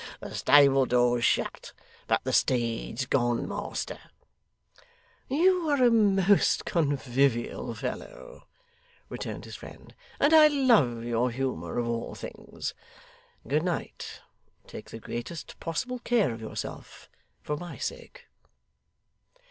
The stable door is shut, but the steed's gone, master.' 'You are a most convivial fellow,' returned his friend, 'and I love your humour of all things. Good night! Take the greatest possible care of yourself, for my sake!